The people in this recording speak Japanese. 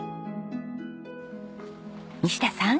西田さん